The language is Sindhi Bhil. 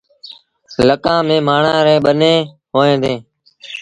لڪآن ميݩ مآڻهآن ريٚݩ ٻنيٚن هوئيݩ ديٚݩ۔